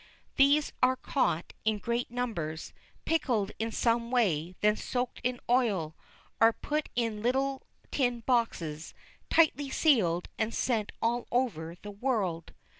These are caught in great numbers, pickled in some way, then soaked in oil, are put in little tin boxes, tightly sealed, and sent all over the world.